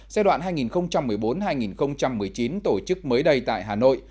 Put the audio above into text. giai đoạn hai nghìn một mươi bốn hai nghìn một mươi chín tổ chức mới đây tại hà nội